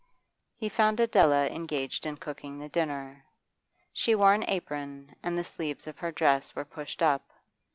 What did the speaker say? He found Adela engaged in cooking the dinner; she wore an apron, and the sleeves of her dress were pushed up.